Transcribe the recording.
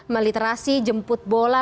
meliterasi jemput bola